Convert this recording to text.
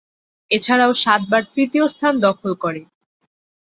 এছাড়াও, সাতবার তৃতীয় স্থান দখল করে।